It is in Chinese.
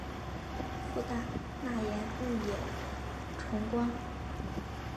父大纳言日野重光。